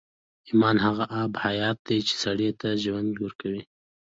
ايمان هغه آب حيات دی چې سړي ته ژوند ورکوي.